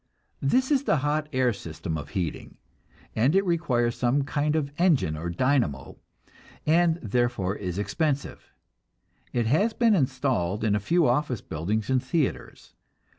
This is the hot air system of heating, and it requires some kind of engine or dynamo, and therefore is expensive. It has been installed in a few office buildings and theaters.